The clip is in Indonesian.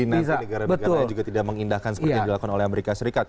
negara negara juga tidak mengindahkan seperti yang dilakukan oleh as